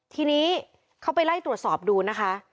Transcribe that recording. ทีนี้เขาไปไล่ตรวจสอบดูนะคะ